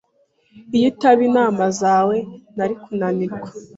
Iyo itaba inama zawe, nari kunanirwa.